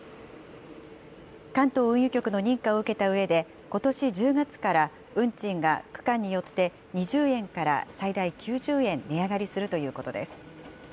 関東運輸局の認可を受けたうえで、ことし１０月から運賃が区間によって２０円から最大９０円値上がりするということです。